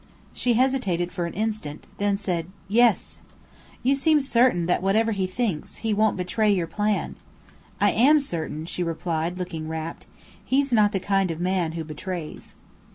She hesitated for an instant, then said "Yes!" "You seem certain that whatever he thinks, he won't betray your plan." "I am certain," she replied, looking rapt. "He's not the kind of man who betrays."